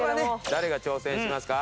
誰が挑戦しますか？